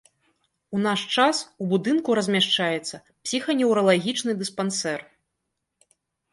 У наш час у будынку размяшчаецца псіханеўралагічны дыспансер.